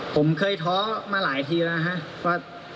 ผมเคยท้อมาหลายทีได้นะครับ